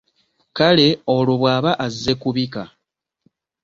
Kale olwo bwaba azze kubika?